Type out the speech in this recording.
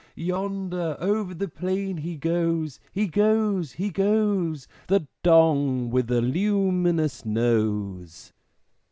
Yonder, over the plain he goes, He goes! He goes, The Dong with a luminous Nose!"